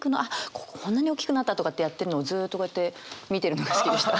こここんなにおっきくなったとかってやってるのをずっとこうやって見てるのが好きでした。